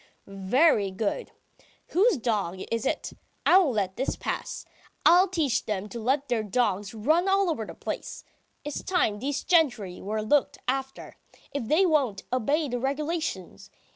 "Very good. Whose dog is it? I won't let this pass! I'll teach them to let their dogs run all over the place! It's time these gentry were looked after, if they won't obey the regulations!